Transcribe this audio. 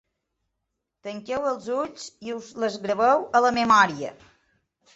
Tanqueu els ulls i us les graveu a la memòria.